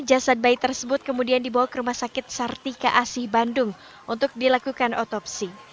jasad bayi tersebut kemudian dibawa ke rumah sakit sartika asih bandung untuk dilakukan otopsi